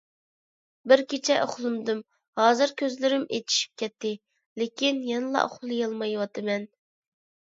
بىر كېچە ئۇخلىمىدىم، ھازىر كۆزلىرىم ئېچىشىپ كەتتى، لېكىن يەنىلا ئۇخلىيالمايۋاتىمەن.